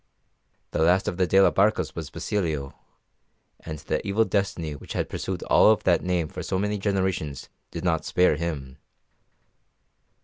The last of the de la Barcas was Basilio, and the evil destiny which had pursued all of that name for so many generations did not spare him.